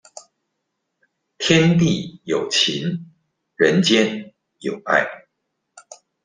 天地有情，人間有愛